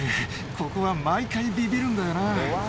ここは毎回ビビるんだよな。